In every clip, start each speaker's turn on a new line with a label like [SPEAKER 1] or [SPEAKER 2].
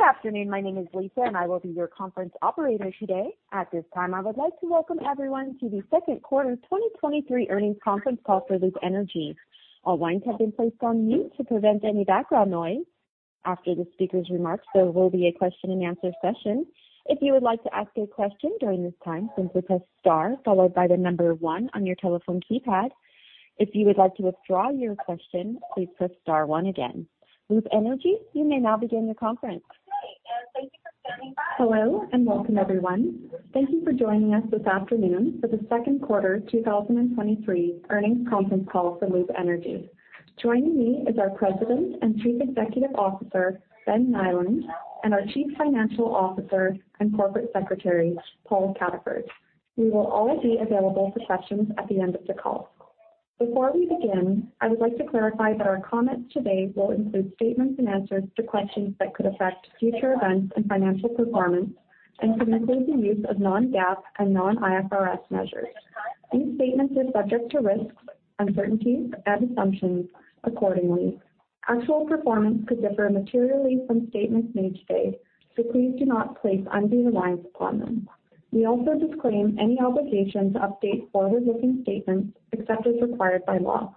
[SPEAKER 1] Good afternoon. My name is Lisa, and I will be your conference operator today. At this time, I would like to welcome everyone to the Second Quarter 2023 Earnings Conference Call for Loop Energy. All lines have been placed on mute to prevent any background noise. After the speaker's remarks, there will be a question-and-answer session. If you would like to ask a question during this time, simply press star followed by the number one on your telephone keypad. If you would like to withdraw your question, please press star one again. Loop Energy, you may now begin the conference. Great. Thank you for standing by. Hello. Welcome, everyone. Thank you for joining us this afternoon for the Second Quarter 2023 Earnings Conference call for Loop Energy. Joining me is our President and Chief Executive Officer, Ben Nyland, and our Chief Financial Officer and Corporate Secretary, Paul Cataford. We will all be available for questions at the end of the call. Before we begin, I would like to clarify that our comments today will include statements and answers to questions that could affect future events and financial performance and could include the use of non-GAAP and non-IFRS measures. These statements are subject to risks, uncertainties, and assumptions accordingly. Actual performance could differ materially from statements made today. Please do not place undue reliance upon them. We also disclaim any obligation to update forward-looking statements except as required by law.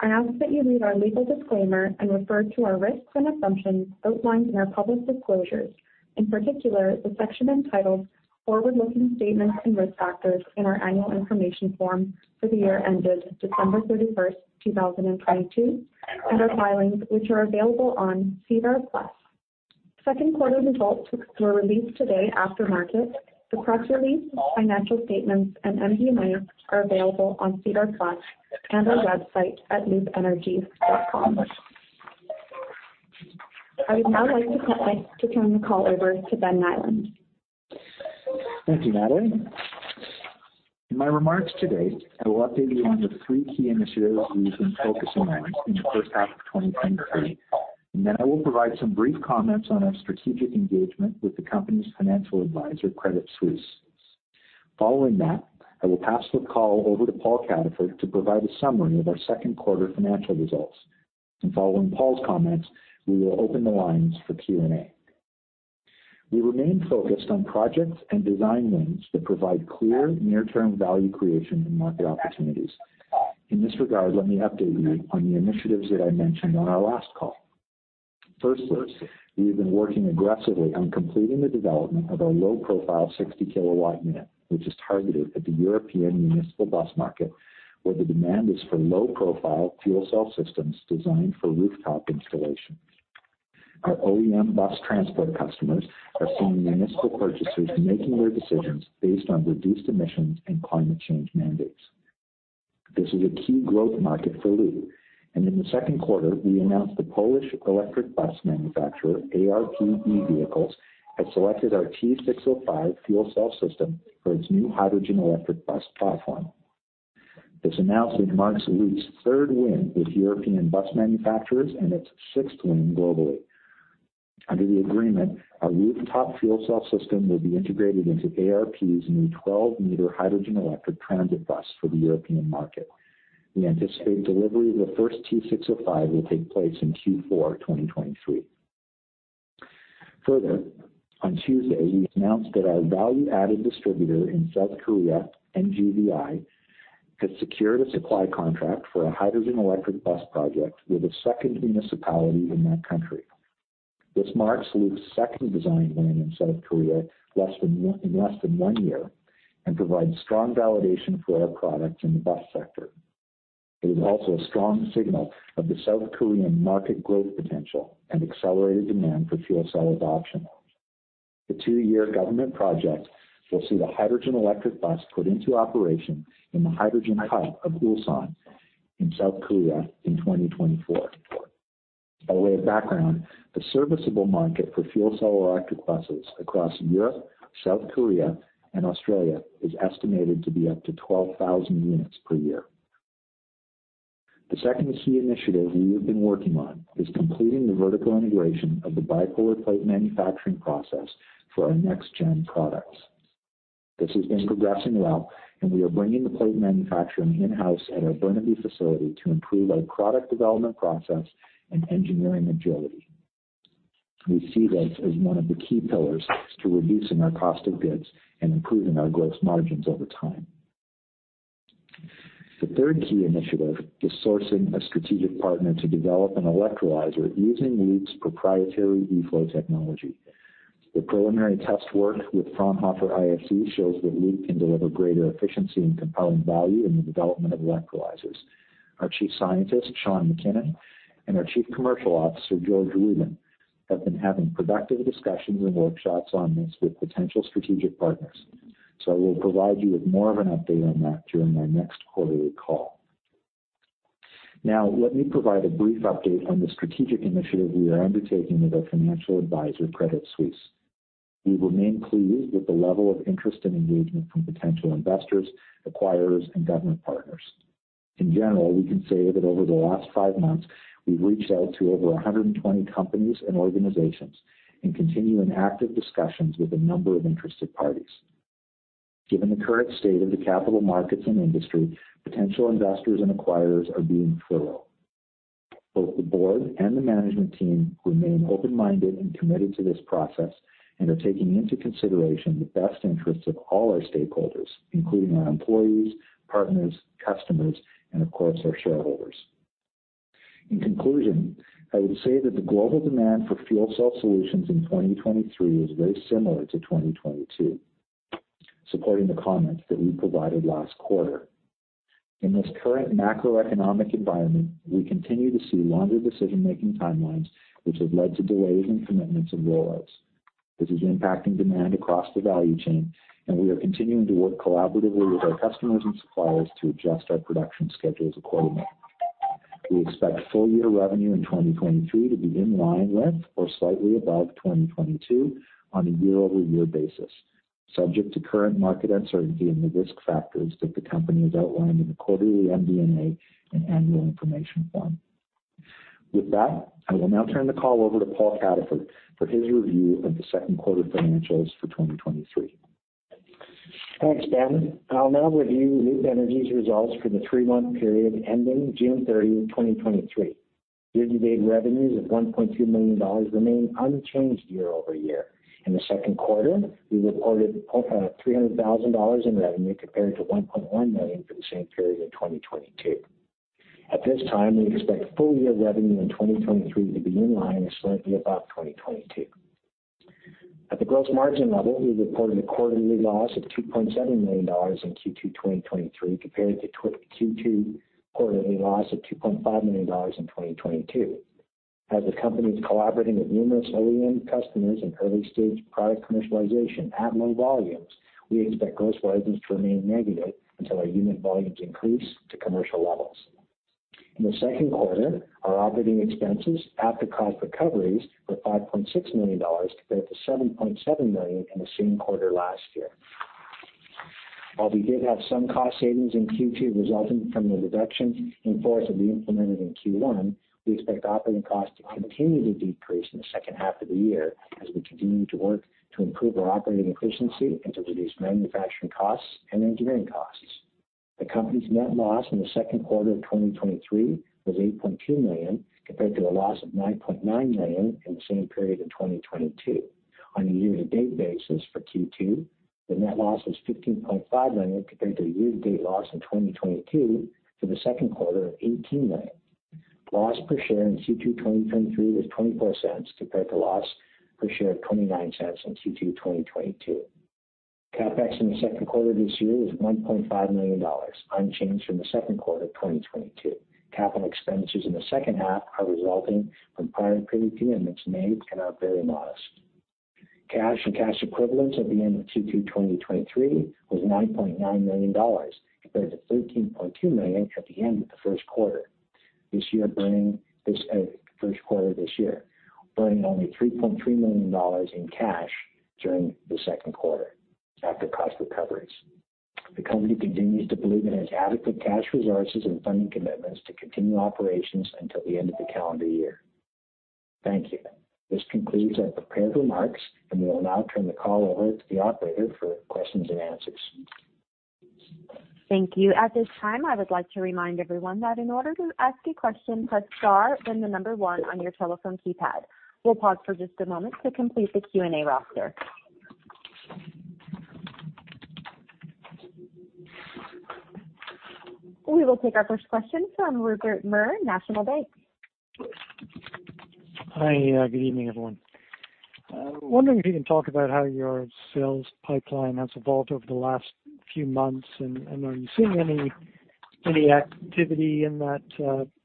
[SPEAKER 1] I ask that you read our legal disclaimer and refer to our risks and assumptions outlined in our public disclosures, in particular, the section entitled Forward-Looking Statements and Risk Factors in our annual information form for the year ended December 31st, 2022, and our filings, which are available on SEDAR+. Second quarter results were released today after market. The press release, financial statements, and MD&A are available on SEDAR+ and our website at loopenergy.com. I would now like to turn the call over to Ben Nyland.
[SPEAKER 2] Thank you, Natalie. In my remarks today, I will update you on the three key initiatives we've been focusing on in the first half of 2023, and then I will provide some brief comments on our strategic engagement with the company's financial advisor, Credit Suisse. Following that, I will pass the call over to Paul Cataford to provide a summary of our second quarter financial results. Following Paul's comments, we will open the lines for Q&A. We remain focused on projects and design wins that provide clear near-term value creation and market opportunities. In this regard, let me update you on the initiatives that I mentioned on our last call. Firstly, we have been working aggressively on completing the development of our low-profile 60 kW unit, which is targeted at the European municipal bus market, where the demand is for low-profile fuel cell systems designed for rooftop installation. Our OEM bus transport customers are seeing municipal purchasers making their decisions based on reduced emissions and climate change mandates. This is a key growth market for Loop, and in the second quarter, we announced the Polish electric bus manufacturer, ARP E-Vehicles, had selected our T605 fuel cell system for its new hydrogen electric bus platform. This announcement marks Loop's third win with European bus manufacturers and its sixth win globally. Under the agreement, our rooftop fuel cell system will be integrated into ARP's new 12-m hydrogen electric transit bus for the European market. We anticipate delivery of the first T605 will take place in Q4, 2023. On Tuesday, we announced that our value-added distributor in South Korea, NGVI, has secured a supply contract for a hydrogen electric bus project with a second municipality in that country. This marks Loop's second design win in South Korea, in less than one year, and provides strong validation for our products in the bus sector. It is also a strong signal of the South Korean market growth potential and accelerated demand for fuel cell adoption. The two-year government project will see the hydrogen electric bus put into operation in the hydrogen hub of Ulsan in South Korea in 2024. By way of background, the serviceable market for fuel cell electric buses across Europe, South Korea, and Australia is estimated to be up to 12,000 units per year. The second key initiative we have been working on is completing the vertical integration of the bipolar plate manufacturing process for our next-gen products. This has been progressing well; we are bringing the plate manufacturing in-house at our Burnaby facility to improve our product development process and engineering agility. We see this as one of the key pillars to reducing our cost of goods and improving our gross margins over time. The third key initiative is sourcing a strategic partner to develop an electrolyzer using Loop's proprietary eFlow technology. The preliminary test work with Fraunhofer ISE shows that Loop can deliver greater efficiency and compelling value in the development of electrolyzers. Our Chief Scientist, Sean MacKinnon, and our Chief Commercial Officer, George Rubin, have been having productive discussions and workshops on this with potential strategic partners. I will provide you with more of an update on that during our next quarterly call. Now, let me provide a brief update on the strategic initiative we are undertaking with our financial advisor, Credit Suisse. We remain pleased with the level of interest and engagement from potential investors, acquirers, and government partners. In general, we can say that over the last five months, we've reached out to over 120 companies and organizations and continue in active discussions with a number of interested parties. Given the current state of the capital markets and industry, potential investors and acquirers are being thorough. Both the board and the management team remain open-minded and committed to this process, and are taking into consideration the best interests of all our stakeholders, including our employees, partners, customers, and of course, our shareholders. In conclusion, I would say that the global demand for fuel cell solutions in 2023 is very similar to 2022, supporting the comments that we provided last quarter. In this current macroeconomic environment, we continue to see longer decision-making timelines, which have led to delays in commitments and rollouts. This is impacting demand across the value chain, and we are continuing to work collaboratively with our customers and suppliers to adjust our production schedules accordingly. We expect full year revenue in 2023 to be in line with or slightly above 2022 on a year-over-year basis, subject to current market uncertainty and the risk factors that the company has outlined in the quarterly MD&A and annual information form. With that, I will now turn the call over to Paul Cataford for his review of the second quarter financials for 2023.
[SPEAKER 3] Thanks, Ben. I'll now review Loop Energy's results for the three-month period ending June 30, 2023. Year-to-date revenues of 1.2 million dollars remain unchanged year-over-year. In the second quarter, we reported 300,000 dollars in revenue compared to 1.1 million for the same period in 2022. At this time, we expect full year revenue in 2023 to be in line or slightly above 2022. At the gross margin level, we reported a quarterly loss of 2.7 million dollars in Q2 2023, compared to Q2 quarterly loss of 2.5 million dollars in 2022. As the company is collaborating with numerous OEM customers in early stage product commercialization at low volumes, we expect gross margins to remain negative until our unit volumes increase to commercial levels. In the second quarter, our operating expenses at the cost recoveries were 5.6 million dollars, compared to 7.7 million in the same quarter last year. While we did have some cost savings in Q2 resulting from the reduction in force that we implemented in Q1, we expect operating costs to continue to decrease in the second half of the year as we continue to work to improve our operating efficiency and to reduce manufacturing costs and engineering costs. The company's net loss in the second quarter of 2023 was 8.2 million, compared to a loss of 9.9 million in the same period in 2022. On a year-to-date basis for Q2, the net loss was 15.5 million, compared to a year-to-date loss in 2022 for the second quarter of 18 million. Loss per share in Q2, 2023, was 0.24, compared to loss per share of 0.29 in Q2, 2022. CapEx in the second quarter this year was $1.5 million, unchanged from the second quarter of 2022. Capital expenditures in the second half are resulting from prior commitments made and are very modest. Cash and cash equivalents at the end of Q2 2023 was $9.9 million, compared to 13.2 million at the end of the first quarter. This year, first quarter this year, burning only $3.3 million in cash during the second quarter after cost recoveries. The company continues to believe it has adequate cash resources and funding commitments to continue operations until the end of the calendar year. Thank you. This concludes our prepared remarks; we will now turn the call over to the operator for questions and answers.
[SPEAKER 1] Thank you. At this time, I would like to remind everyone that in order to ask a question, press star, then one on your telephone keypad. We'll pause for just a moment to complete the Q&A roster. We will take our first question from Rupert Merer, National Bank.
[SPEAKER 4] Hi, good evening, everyone. Wondering if you can talk about how your sales pipeline has evolved over the last few months, and are you seeing any activity in that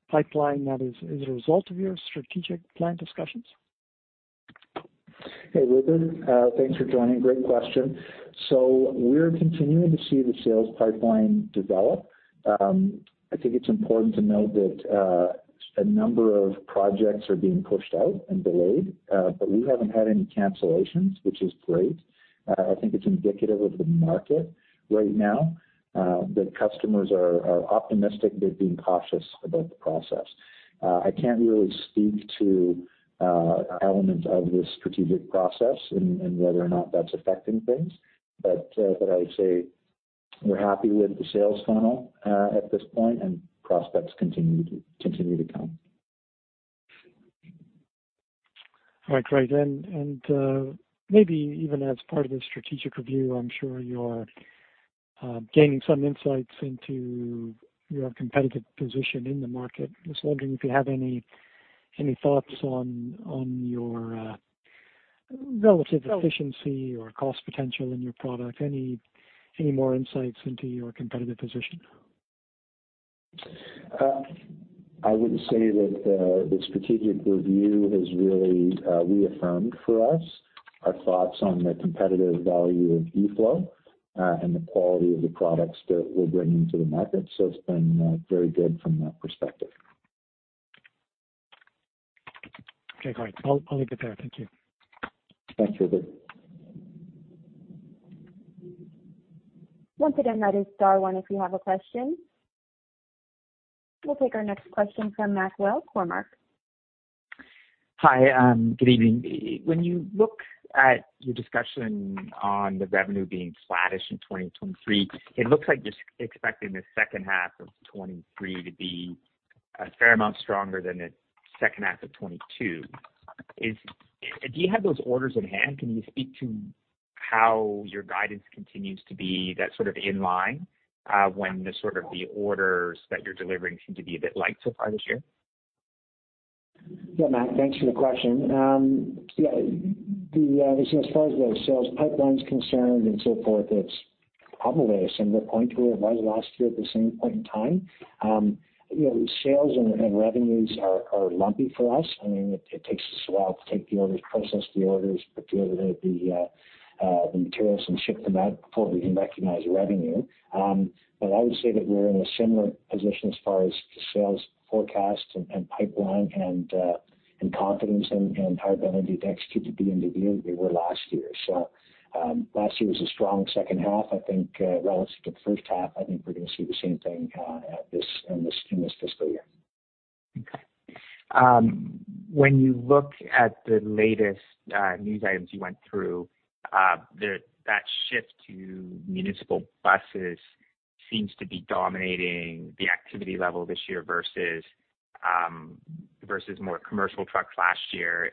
[SPEAKER 4] pipeline that is a result of your strategic plan discussions?
[SPEAKER 2] Hey, Rupert, thanks for joining. Great question. We're continuing to see the sales pipeline develop. I think it's important to note that a number of projects are being pushed out and delayed, but we haven't had any cancellations, which is great. I think it's indicative of the market right now, that customers are optimistic, they're being cautious about the process. I can't really speak to elements of this strategic process and whether or not that's affecting things. I would say we're happy with the sales funnel, at this point, and prospects continue to come.
[SPEAKER 4] All right, great. Maybe even as part of the strategic review, I'm sure you're gaining some insights into your competitive position in the market. Just wondering if you have any, any thoughts on, on your relative efficiency or cost potential in your product? Any, any more insights into your competitive position?
[SPEAKER 2] I would say that the strategic review has really reaffirmed for us our thoughts on the competitive value of eFlow and the quality of the products that we're bringing to the market. It's been very good from that perspective.
[SPEAKER 4] Okay, great. I'll, I'll leave it there. Thank you.
[SPEAKER 2] Thanks, Rupert.
[SPEAKER 1] Once again, that is star one if you have a question. We'll take our next question from Maxwell, Cormark.
[SPEAKER 5] Hi, good evening. When you look at your discussion on the revenue being flattish in 2023, it looks like you're expecting the second half of 2023 to be a fair amount stronger than the second half of 2022. Do you have those orders in hand? Can you speak to how your guidance continues to be that sort of in line, when the sort of the orders that you're delivering seem to be a bit light so far this year?
[SPEAKER 3] Max, thanks for the question. As far as the sales pipeline is concerned and so forth, it's probably a similar point to where it was last year at the same point in time. you know, sales and, and revenues are, are lumpy for us. I mean, it, it takes us a while to take the orders, process the orders, put together the materials and ship them out before we can recognize revenue. I would say that we're in a similar position as far as the sales forecast and, and pipeline and confidence in, in how everything executes at the end of the year that we were last year. Last year was a strong second half, I think, relative to the first half, I think we're going to see the same thing in this, in this fiscal year.
[SPEAKER 5] Okay. When you look at the latest news items you went through, that shift to municipal buses seems to be dominating the activity level this year versus, versus more commercial trucks last year.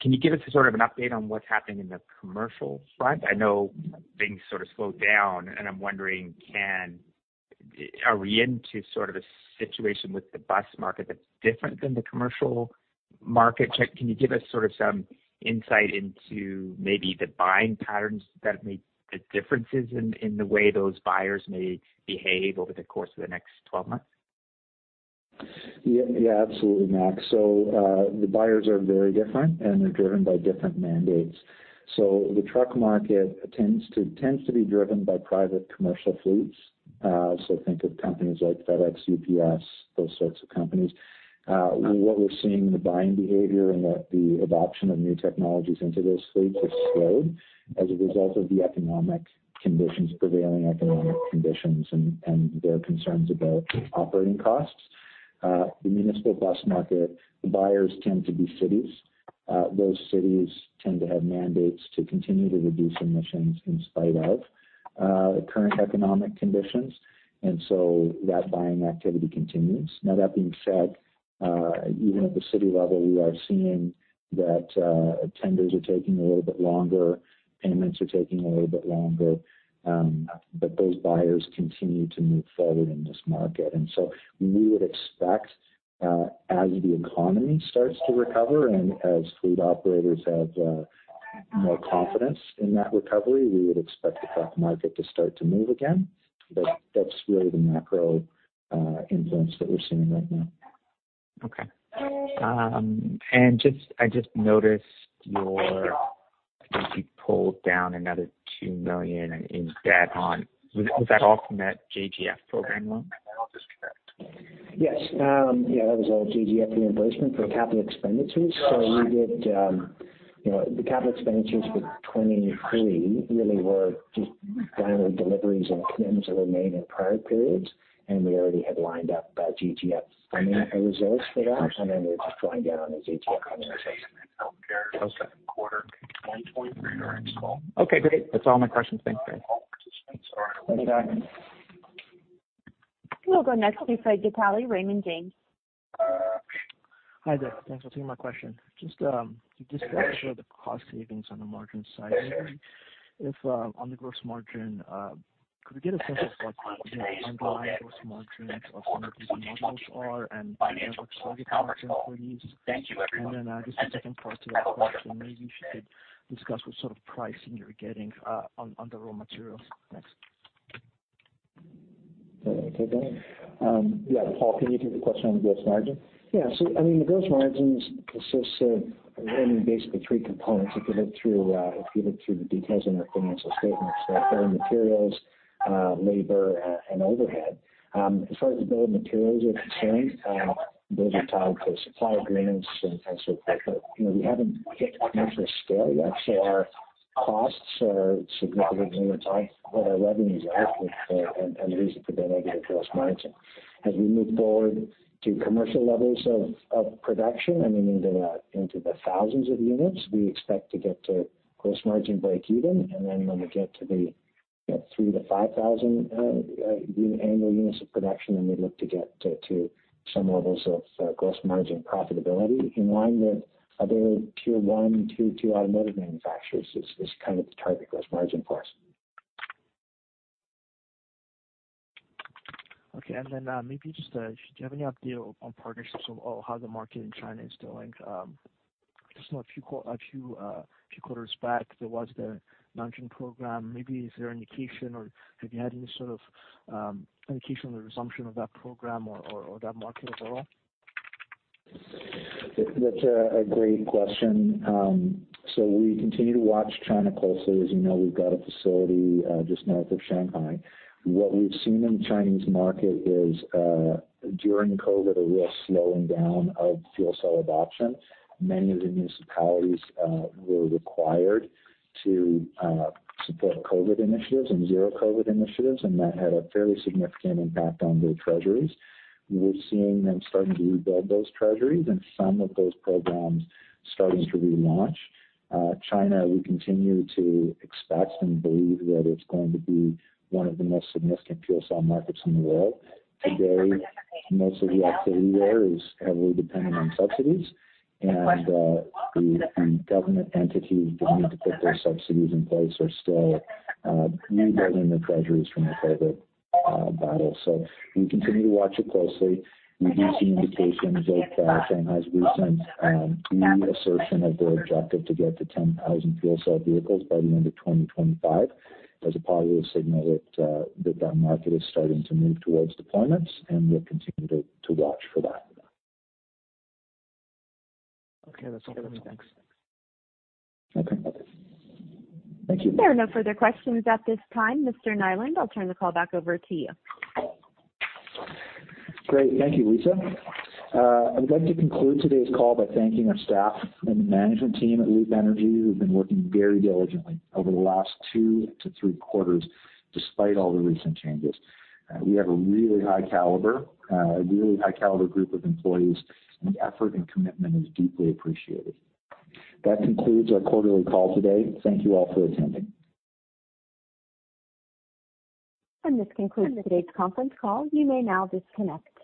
[SPEAKER 5] Can you give us sort of an update on what's happening in the commercial front? I know things sort of slowed down, and I'm wondering, Are we into sort of a situation with the bus market that's different than the commercial market? Can you give us sort of some insight into maybe the buying patterns that make the differences in, in the way those buyers may behave over the course of the next 12 months?
[SPEAKER 2] Yeah, yeah, absolutely, Max. The buyers are very different, and they're driven by different mandates. The truck market tends to be driven by private commercial fleets, so think of companies like FedEx, UPS, those sorts of companies. What we're seeing in the buying behavior and that the adoption of new technologies into those fleets has slowed as a result of the economic conditions, prevailing economic conditions and their concerns about operating costs. The municipal bus market, the buyers tend to be cities. Those cities tend to have mandates to continue to reduce emissions in spite of the current economic conditions, that buying activity continues. That being said, even at the city level, we are seeing that, tenders are taking a little bit longer, payments are taking a little bit longer, but those buyers continue to move forward in this market. We would expect, as the economy starts to recover and as fleet operators have, more confidence in that recovery, we would expect the truck market to start to move again. That's really the macro, influence that we're seeing right now.
[SPEAKER 5] Okay. Just, I just noticed your. I think you pulled down another 2 million in debt on. Was that all from that JGF program loan?
[SPEAKER 3] Yes. Yeah, that was all JGF reimbursement for capital expenditures. We did, you know, the capital expenditures for 23 really were just downward deliveries and commitments that were made in prior periods, and we already had lined up that JGF funding or reserves for that, and then we're just drawing down on those JGF commitments for second quarter 2023.
[SPEAKER 5] Okay, great. That's all my questions. Thanks. Thank you, bye.
[SPEAKER 1] We'll go next to Fred Gatali, Raymond James.
[SPEAKER 6] Hi there. Thanks for taking my question. Just to discuss the cost savings on the margin side, if on the gross margin, could we get a sense of what the underlying gross margins of some of these modules are and what target margin for these? And then, just the second part to the question, maybe if you could discuss what sort of pricing you're getting on, on the raw materials. Thanks.
[SPEAKER 2] You want to take that? Yeah, Paul, can you take the question on the gross margin? Yeah. I mean, the gross margins consist of only basically three components. If you look through, if you look through the details in our financial statements, they're materials, labor, and overhead. As far as the bill of materials are concerned, those are tied to supply agreements and so forth. You know, we haven't hit commercial scale yet, so our costs are significantly more tight than our revenues are, and the reason for the negative gross margin. As we move forward to commercial levels of, of production, I mean, into the, into the thousands of units, we expect to get to gross margin break even, and then when we get to the, you know, 3,000-5,000 annual units of production, then we look to get to, to some levels of gross margin profitability in line with other Tier One, Tier Two automotive manufacturers. Is kind of the target gross margin for us.
[SPEAKER 6] Okay. Then, maybe just, do you have any update on partnerships or how the market in China is doing? Just know a few, a few, few quarters back, there was the Nanjing program. Maybe is there any indication, or have you had any sort of, indication on the resumption of that program or, or, or that market at all?
[SPEAKER 2] That's a, a great question. We continue to watch China closely. As you know, we've got a facility just north of Shanghai. What we've seen in the Chinese market is during COVID, a real slowing down of fuel cell adoption. Many of the municipalities were required to support COVID initiatives and zero-COVID initiatives, and that had a fairly significant impact on their treasuries. We're seeing them starting to rebuild those treasuries and some of those programs starting to relaunch. China, we continue to expect and believe that it's going to be one of the most significant fuel cell markets in the world. Today, most of the activity there is heavily dependent on subsidies, and the, the government entities that need to put those subsidies in place are still rebuilding their treasuries from the COVID battle. We continue to watch it closely. We do see indications of Shanghai's recent reassertion of their objective to get to 10,000 fuel cell vehicles by the end of 2025 as a positive signal that that market is starting to move towards deployments, and we'll continue to watch for that.
[SPEAKER 6] Okay, that's all for me. Thanks.
[SPEAKER 2] Okay. Thank you.
[SPEAKER 1] There are no further questions at this time. Mr. Nyland, I'll turn the call back over to you.
[SPEAKER 2] Great. Thank you, Lisa. I would like to conclude today's call by thanking our staff and the management team at Loop Energy, who've been working very diligently over the last two to three quarters, despite all the recent changes. We have a really high caliber, a really high caliber group of employees, and effort and commitment is deeply appreciated. That concludes our quarterly call today. Thank you all for attending.
[SPEAKER 1] This concludes today's conference call. You may now disconnect.